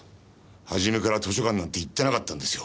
初めから図書館なんて行ってなかったんですよ。